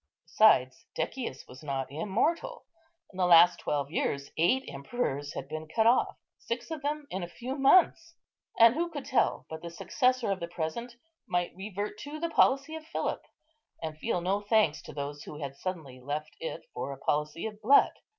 Besides, Decius was not immortal; in the last twelve years eight emperors had been cut off, six of them in a few months; and who could tell but the successor of the present might revert to the policy of Philip, and feel no thanks to those who had suddenly left it for a policy of blood.